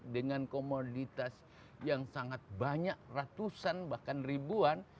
dengan komoditas yang sangat banyak ratusan bahkan ribuan